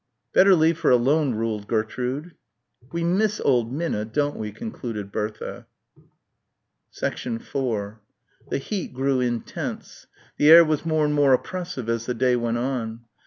"Better leave her alone," ruled Gertrude. "We miss old Minna, don't we?" concluded Bertha. 4 The heat grew intense. The air was more and more oppressive as the day went on.